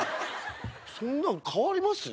そんなん変わります？